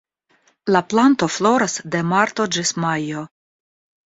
La planto floras de marto ĝis majo.